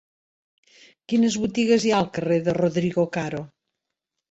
Quines botigues hi ha al carrer de Rodrigo Caro?